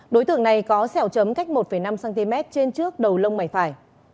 đối tượng này có xẻo chấm cách một năm cm trên trước đầu lông mảnh phải